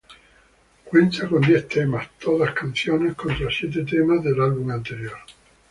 Cuenta con diez temas, todas canciones, contra siete temas del álbum anterior.